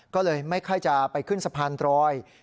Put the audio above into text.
ก็เลยไม่ค่อยจะไปขึ้นสะพานรอย